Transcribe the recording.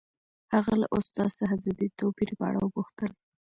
هغه له استاد څخه د دې توپیر په اړه وپوښتل